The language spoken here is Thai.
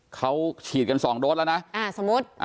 เขาฉีดกัน๒โดสแล้วนะสมมุติ